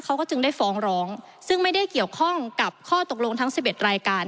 เขาก็จึงได้ฟ้องร้องซึ่งไม่ได้เกี่ยวข้องกับข้อตกลงทั้ง๑๑รายการ